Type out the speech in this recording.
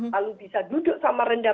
lalu bisa duduk sama rendah